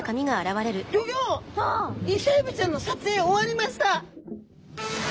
「イセエビちゃんの撮影終わりました」。